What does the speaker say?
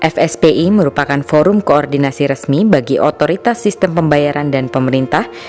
fspi merupakan forum koordinasi resmi bagi otoritas sistem pembayaran dan pemerintah